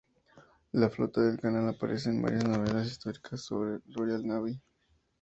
La Flota del Canal aparece en varias novelas históricas sobre la Royal Navy.